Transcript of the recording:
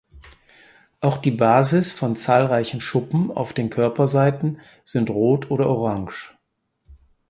Auch die Basis von zahlreichen Schuppen auf den Körperseiten sind rot oder orange.